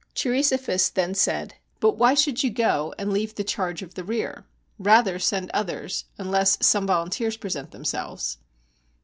Cheiri sophus then said, "But why should you go, and leave the charge of the rear? Rather send others, unless some volunteers present themselves."